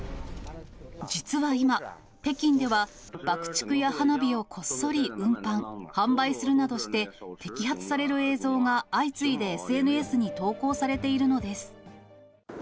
実は今、北京では爆竹や花火をこっそり運搬・販売するなどして、摘発される映像が相次いでＳＮＳに投稿されているのです。